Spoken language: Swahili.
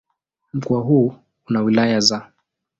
Mkoa huu una wilaya za